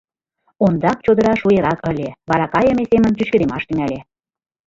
Ондак чодыра шуэрак ыле, вара кайыме семын чӱчкыдемаш тӱҥале.